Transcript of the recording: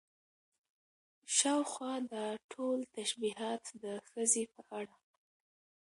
شاوخوا دا ټول تشبيهات د ښځې په اړه